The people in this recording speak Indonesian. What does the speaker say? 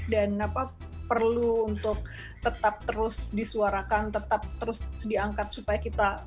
dan apa perlu untuk tetap terus disuarakan tetap terus diangkat supaya kita